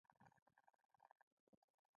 دا اړیکې به تلپاتې وي.